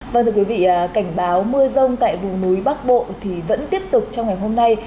vâng thưa quý vị cảnh báo mưa rông tại vùng núi bắc bộ thì vẫn tiếp tục trong ngày hôm nay